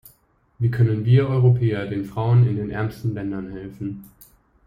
Wie können wir Europäer den Frauen in den ärmsten Ländern helfen?